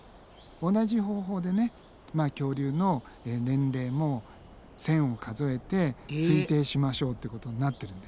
同じ方法でね恐竜の年齢も線を数えて推定しましょうってことになってるんだよね。